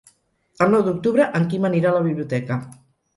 El nou d'octubre en Quim anirà a la biblioteca.